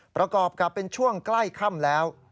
ประกอบกับเป็นช่วงใกล้ค่ำแล้ว